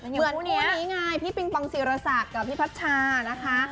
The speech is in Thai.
เหมือนคู่นี้ไงพี่ปิงปองศิรศักดิ์กับพี่พัชชานะคะ